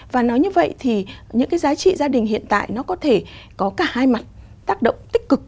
và nói như vậy thì những cái giá trị gia đình hiện tại nó có thể có cả hai mặt tác động tích cực